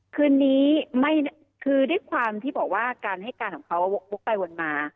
คืนนี้คือด้วยความที่บอกว่าการให้การของเขาวกไปวนมา